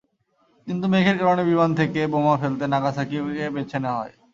কিন্তু মেঘের কারণে বিমান থেকে বোমা ফেলতে নাগাসাকিকে বেছে নেওয়া হয়।